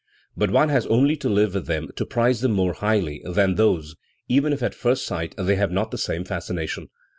But one has only to live with them to prize them more highly than those, even if at first sight they have not the same fascination.